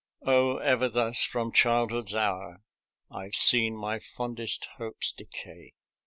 " Oh ever thus from childhood's hour I've seen my fondest hopes decay."